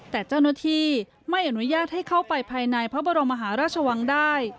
แต่เจ้าหน้าที่ไม่อนุญาตให้เข้าไปภายในพระบรมมหาราชวังได้